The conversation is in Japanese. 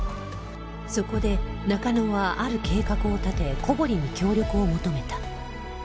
そこで中野はある計画を立て古堀に協力を求めた